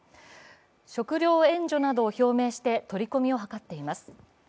食料援助などを表明して取り込みを図っています。